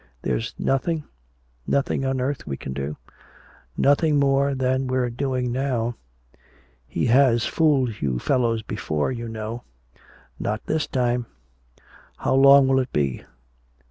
There's nothing nothing on earth we can do?" "Nothing more than we're doing now." "He has fooled you fellows before, you know " "Not this time." "How long will it be?"